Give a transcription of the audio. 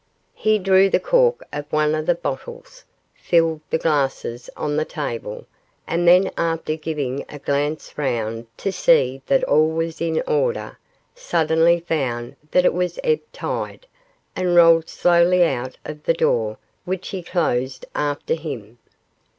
He drew the cork of one of the bottles, filled the glasses on the table, and then after giving a glance round to see that all was in order, suddenly found that it was ebb tide, and rolled slowly out of the door, which he closed after him.